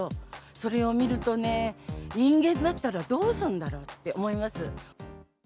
それを見るとね、人間だったらどうするんだろうって思います。